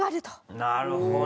なるほど！